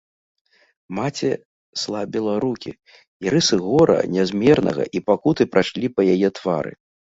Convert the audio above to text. Маці слабіла рукі, і рысы гора нязмернага і пакуты прайшлі па яе твары.